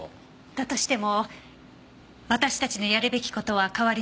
だとしても私たちのやるべき事は変わりないわ。